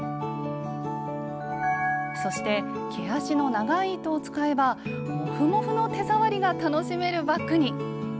そして毛足の長い糸を使えばモフモフの手触りが楽しめるバッグに！